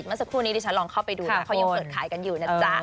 เมื่อสักครู่นี้ดิฉันลองเข้าไปดูนะเขายังเปิดขายกันอยู่นะจ๊ะ